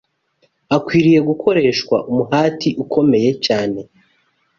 Hakwiriye gukoreshwa umuhati ukomeye cyane